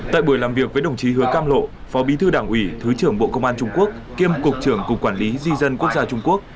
tại buổi làm việc với đồng chí hứa cam lộ phó bí thư đảng ủy thứ trưởng bộ công an trung quốc kiêm cục trưởng cục quản lý di dân quốc gia trung quốc